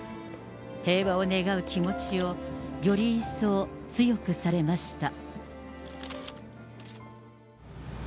平和を願う気持ちをより一層強くされました。